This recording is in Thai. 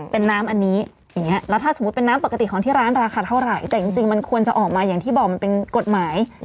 เป็นน้ำอันนี้อย่างนี้แล้วถ้าสมมุติเป็นน้ำปกติของที่ร้านราคาเท่าไหร่แต่จริงมันควรจะออกมาอย่างที่บอกมันเป็นกฎหมาย